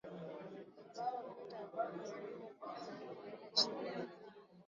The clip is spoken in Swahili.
ambao vita ambao vimedumu kwa zaidi miaka ya ishirini